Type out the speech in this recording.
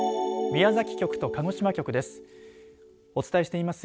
宮崎局と鹿児島局です。